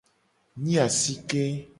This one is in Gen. Nyi asike.